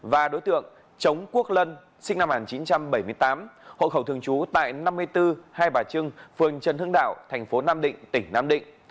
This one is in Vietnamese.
và đối tượng chống quốc lân sinh năm một nghìn chín trăm bảy mươi tám hội khẩu thường chú tại năm mươi bốn hai bà trưng phường trần hưng đạo tp nam định tỉnh nam định